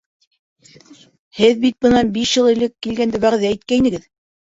Һеҙ бит бынан биш йыл элек килгәндә вәғәҙә иткәйнегеҙ...